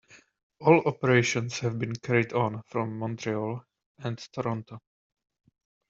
All operations have been carried on from Montreal and Toronto.